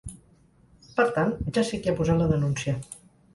Per tant, ja sé qui ha posat la denúncia.